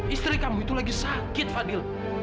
istri kamu itu lagi sakit fadil